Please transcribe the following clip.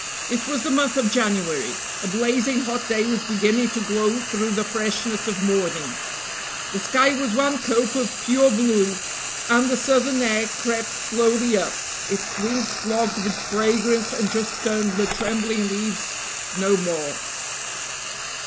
It was the month of January; a blazing hot day was beginning to glow through the freshness of morning; the sky was one cope of pure blue, and the southern air crept slowly up, its wings clogged with fragrance, and just tuned the trembling leaves no more.